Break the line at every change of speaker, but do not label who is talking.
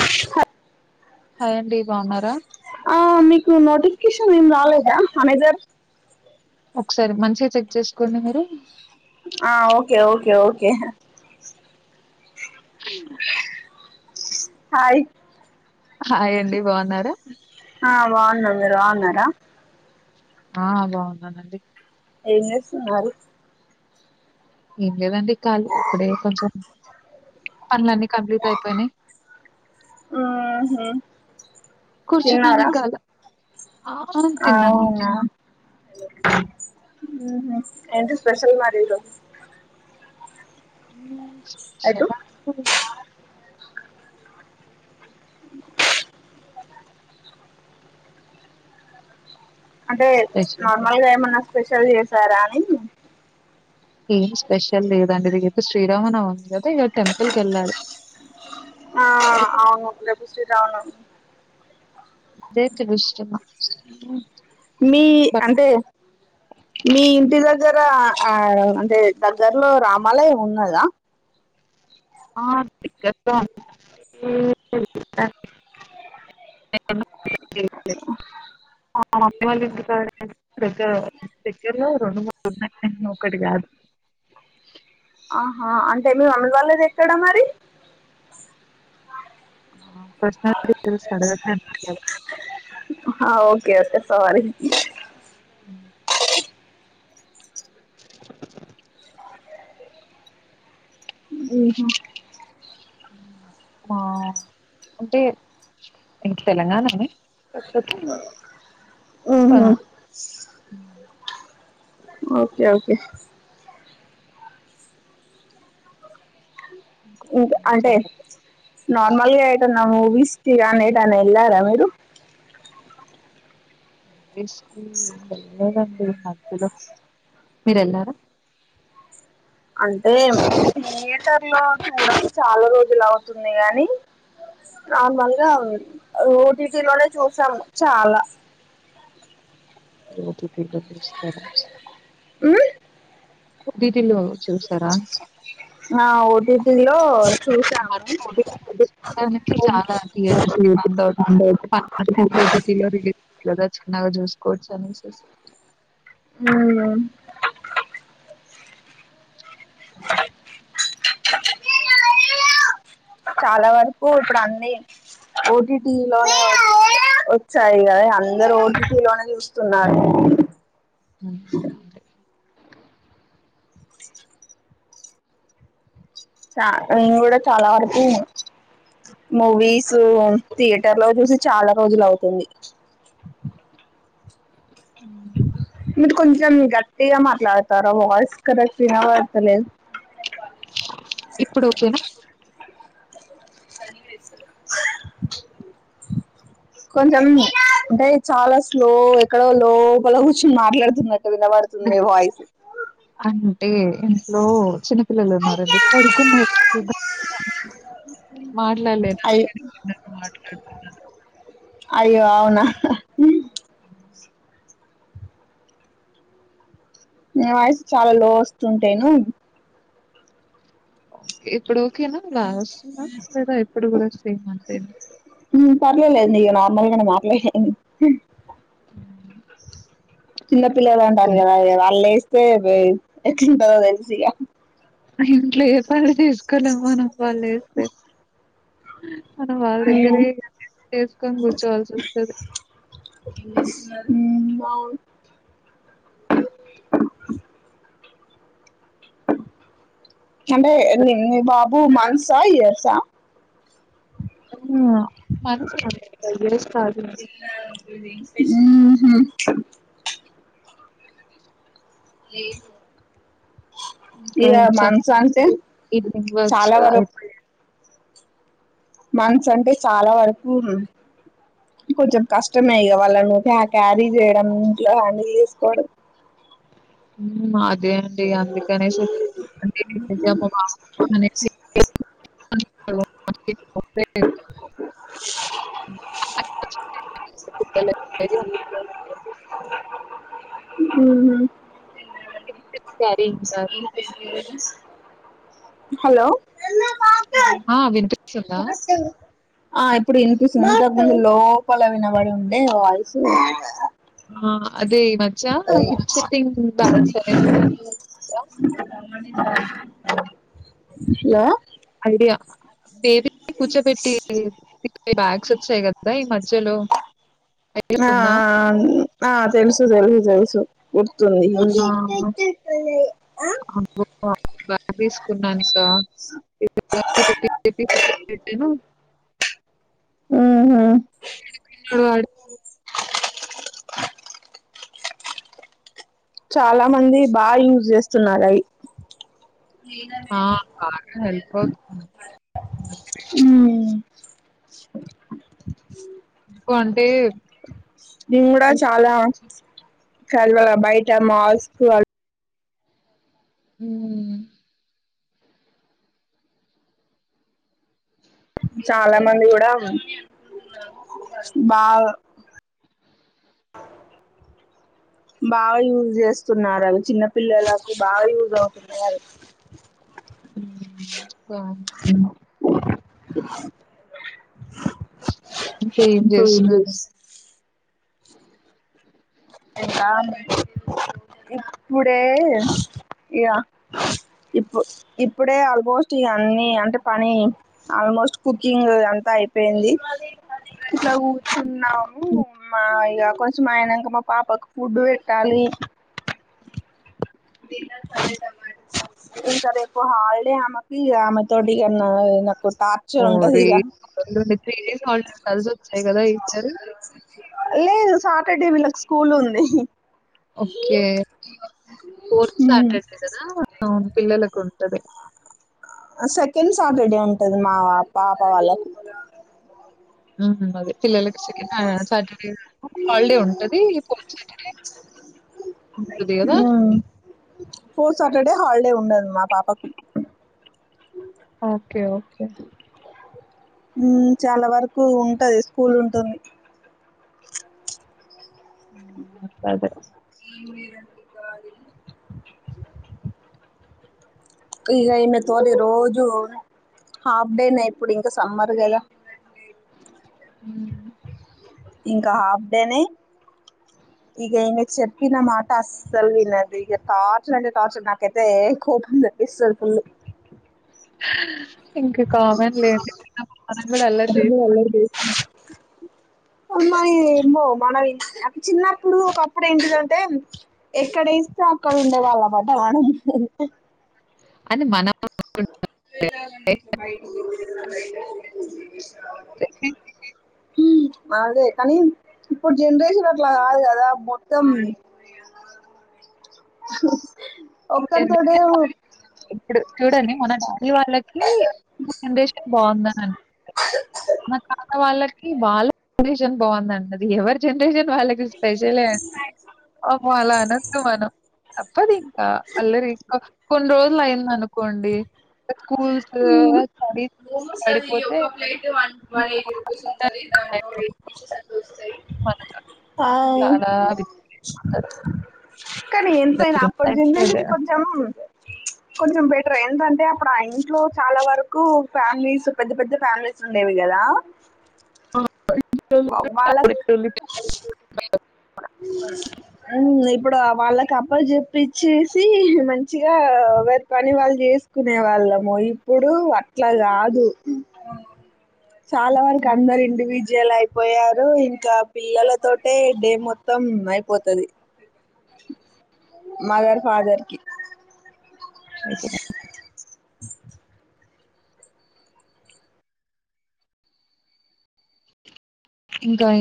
హా
హాయ్ అండి బాగున్నారా
ఉ నోటిఫికేషన్ ఏం రాలేదా మనేజర్
ఒకసారి మంచిగ చెగ్ చేసుకోండి మీరు
ఆ ఓకే ఓకే ఓకే
ఆ
హాయ్
హాయండి బాగున్నార
ఆ బాగున్నాం మీరు బాగున్నారా
ఆ బాగున్నానండి
ఎంజేసున్నారు
ఏం లేదండి కాళీ ఇప్పుడే కొంచెం పనులన్నీ కంప్లీట్ అయిపోయినయి
ఆహ
కూర్చున్నానింకా అల
అవునా ఊ ఎంటి స్పెషల్ మరి ఇ రోజు
ఊ ష్ షలా [unintelligible]
[unintelligible] అంటే
స్పెషల్
నార్మల్గా ఏమన్నా స్పెషల్ చేసారా అని
ఏం స్పెషల్ లేద్ దండి రేపు శ్రీరామనవమి గదా! ఇగ టెంపుల్ కెళ్ళాలె.
ఆ అవును. రేపు శ్రీరామనవమి
అదే తెలుస్తున్నా.
మీ
బట్
అంటే, మీ ఇంటి దగ్గర్ ర ఆ అంటే దగ్గరలో రామాలయం ఉన్నదా?
ఆ ద్గరలో అంటే [unintelligible] ఆ మమ్మీ వాళ్ళ ఇంటి కాడ దగ్గర దగ్గరలో రెండు మూడు ఉన్నాయి ఒకటి గాదు.
ఆహా అంటే మీ మమ్మీ వాల్లదెక్కడ మరీ?
ఆ పర్సనల్ డిటైల్స్ అడగద్దన్నారు కదా!
కేస్ పెడ్తా మరి.
[unintelligible]
మ్మ్ హ్
మా అంటే ఇంగ్ తెలంగానానే
అ మ్ ఓకె ఓకె ఇంకా
ఏం
అంటే,
సంగతి
నార్మల్గా ఎటన్నా మూవీస్ స్టిరాన్ ఎటాన ఎల్లారా మీరు?
మూవీస్ కి వెళ్లలేదండి ఈ మధ్యలో, మీరెళ్ళారా?
అంటే థియేటర్ లో చూడక చాలా రోజులు అవుతుంది గానీ, నార్మల్గా ఓటీటిలోనె చూసామ్ చాల.
ఈ ఓటిటి డబ్బులు ఇస్తరా?
ఆ
ఓటిటి లో చూసారా?
ఆ ఓటీటీ లో
ఈ
చూసాము
మధ్య ఓటిటి వచ్చిన కానుంచి, చాల థియేటర్స్ కి బంద్ అవుతున్నాయి. [unintelligible] ఓటీటీ లో రిలీజ్ [unintelligible] వాత చు నాకు చూసుకోవచ్చు. అనేసేసి
నయాన్ చాలా వరకు ఇప్పుడు అన్నీ ఒటిటి లోనే వచ్చాయి కదా! అందరు ఒటిటి లోనే చూస్తున్నారు.
[unintelligible] కోవాలంతె.
చ నేను కూడా, చాలా వరకు మూవీసు థియేటర్ లో చూసి చాలా రోజులు అవుతుంది.
ఉమ్.
మీరు కొంచెం గట్టిగ మాట్లాడతారా? వాయిస్ కరెక్ట్ వినబడతలేదు.
ఇప్పుడు ఓకెనా?
సరేలేఇసుదురు కొంచెం. అంటే, చాలా స్లో ఎక్కడో లోపల కూర్చుని మాట్లాడుతున్నట్టు వినబడుతుంది మీ వాయిస్.
అంటే, ఇంట్లో చిన్ పిల్లలు ఉన్నారండి. పడుకున్నారు. గట్టిగ [unintelligible] మాట్లాడలేను.
అయ్యో
అందుకని చిన్నగా మాట్లాడుతున్నాను.
అయ్యో అవునా! నీ వాయిస్ చాలా లో వస్తుంటేను!
ఓకె ఇప్పుడు? కేనా లాగ్ వస్తుంద లేదా ఇప్పుడు గూడా సేమ్ అంతేనా
మదిగానే మాట్లె చిన్నపిల్లలు ఉంటారు కదా వాళ్లు లేస్ తేవే ఎట్లుంటదో తెలుసుగా
ఇంట్లో ఏ పనులు చేసుకోలేం మనం వాళ్ళు లేస్తే మనం వాళ్ళ దగ్గరే
ఉమ్
[inaudible] ఏసుకొని కూర్చోవల్సి వస్తది
ఊ అంటే ఎన్ ఎ ఎన్ ఎ బా పూ మన్సా ఇయర్సా
ఊ మన్స్ [inaudible] ఇయర్స్ కాదు
ఊహు ప్లీజ్
ఇంక ఏం సంగతులు ఈవినింగ్ వర్క్స్
చాలా
గ
వరకు
అయిపోయాయ
మంత్స్ అంటే చాలా వరకూ కొంచెం కష్టమే ఇగ వాళ్ళను క్యా క్యారీ చేయడం ఇంట్లో హాండిల్ చుసుకోవడం
ఉమ్ మా అదే అండి అందుకనేసే అంటే [unintelligible] అనేసి [inaudible] [unintelligible] [unintelligible]
హుహు
[unintelligible]
మనుపరిషి ఏజెన్స్ హలో
ఆ వినిపిస్తుందా
ఆ ఇప్పుడు ఇనిపిస్తుంది ఇంతకముందు లోపల వినబడి ఉండే వాయిసు
ఆ అదీ ఈ మధ్యా హిప్ సిట్టింగ్ బ్యాక్స్ అనేస్
హలో
ఐడియా బేబీ నీ కూర్చోబెట్టి బ్యాగ్స్ వచ్చాయి గదా ఈ మధ్యలో ఐడియా
ఆ
ఉందా
ఆ తెలుసు తెలుసు తెలుసు గుర్తుంది ఉంది
ఆ! అబ్బో! ఆ బ్యాగ్ తీసుకున్నానె గ [inaudible]
ఊహు
వాడ
చాలా మంది బాగా యూజ్ చేస్తున్నారు అయి
ఆ! బాగా హెల్ప్ అవుతుంది.
ఉమ్ ఉ
ఇంక అంటే
నీన్ గూడ చాలా కల్వల బయట మాస్కు
హుమ్
చాలా మంది కూడా బా బాగా యూజ్ చేస్తున్నారు అవి చిన్న పిల్లలకు బాగా యూజ్ అవుతున్నయవి
కా
ఉమ్
అంటే ఏం చేస్తున్నాను
ఇప్పుడే ఇక ఇప్పు ఇప్పుడే ఆల్మోస్ట్ ఇక అన్ని అంటే పని ఆల్మోస్ట్ కుకింగ్ అంతా అయిపోయింది. ఇలా కూర్చున్నాను ఆ ఇగ కొంచెం మయినంక పాపకు ఫుడ్ పెట్టాలి ఇంకా రేపు హాలిడే ఆమెకి ఆమె తోటి
ఓ
టార్చర్ ఉంటది
రీ
ఇక
త్రీ డేస్ హాలిడేస్ కలిసొచ్చాయి కదా ఈసారి
లేదు సాటర్డే వీళ్ళకి స్కూలుంది
ఓక్కే ఫోర్త్ శాటర్డే గదా ఊం పిల్లలకుంటది
సెకండ్ సాటర్డే ఉంటది మా పాప వాళ్ళకి
ఉహు అదే పిల్లలకి సె సాటర్డే హాలిడే ఉంటది కొంచె కదా!
ఆ పోర్ సటర్డే హాల్ లే ఉండదు మా పాపకి
ఓకే ఓకే
ఊ చాలా వరకు ఉంటది స్కూల్ ఉంటుంది
అదే
ఇగ ఈన తోని రోజు హాఫ్ డేనే ఇప్పుడు ఇంకా సమ్మర్ గదా
హ్మ్.
ఇంకా హాఫ్ డేనే ఇక ఈనకి చెప్పిన మాట అస్సలు వినడు ఇక టార్చర్ అంటే టార్చర్ నాకైతే కోపం తెపిస్తడు ఫుల్
ఇంకా కామన్ లేండి చిన్నప్పుడు మనం కూడా అల్లారీ
ఎక్కువ
చేసినం
మది ఏమ్మొ మనం అ చిన్నప్పుడు ఒకప్పుడు ఏంటిదంటే ఎక్కడేస్తే అక్కడ ఉండేవాళ్ళమాట మనం
అది మన
వెళ్లాలని లేదు బైటికి [unintelligible]
[unintelligible]
అదే కానీ ఇప్పుడు జనరేషన్ అట్లా కాదు గదా మొత్తం ఒక్కరితోటే
[unintelligible] చూడండి మన డాడీ వాళ్ళకి మన జనరేషన్ బాగుందని అనిపిస్తాది మన తాత వాళ్ళకి వాళ్ళ జనరేషన్ బాగుందంటది ఎవరి జనరేషన్ వాళ్ళకి స్పెషలే అండి పాపం అలా అనొద్దు మనం తప్పదింక్క అల్లరి ఇంకా కొన్ని రోజులు అయిందనుకోండి
ఊ మోమోస్ అది
పడిపోతే
ఒక ప్లేట్ వన్ వన్
ఇంకొక
ఎయిటీ రూపీస్ ఉంటది. దాంట్లో ఎయిస్ పీసెస్
ఉంటుంది.
అట్లా వస్తాయి.
మనతోటి చాలా బిజీ అయిపోతారు.
కానీ ఎంతైనా అప్పటి
దొరికేదా?
జనరేషన్ కొంచెం కొంచెం బెటరే ఎంతంటే అప్పుడూ ఆ ఇంట్లో చాలా వరకు ఫ్యామిలీస్ పెద్ద పెద్ద ఫ్యామిలీస్ ఉండేవి గదా వ వాళ్ళ [unintelligible] అప్పుడు వాళ్ళ అప్పజెప్పిచేసి మంచిగా ఎవరి పని వాళ్ళు చేసుకునే వాళ్ళము ఇప్పుడు అట్లా గాదు చాలా వరకు అందరు ఇండివిజు విజలయిపోయారు ఇంకా పిల్లలతోటె డే మొత్తం అయిపోతది మదర్ ఫాదర్ కి
లేచిన ఇంకా